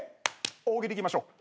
大喜利いきましょう。